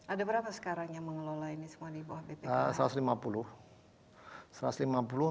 ada berapa sekarang yang mengelola ini semua di bawah bpk